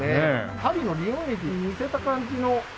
パリのリヨン駅に似せた感じの駅舎